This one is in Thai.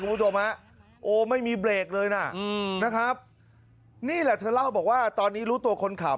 พุ่งเข้ามาไม่มีเบรกเลยนะนี่แหละแทนเล่าบอกว่าตอนนี้รู้ตัวคนขับ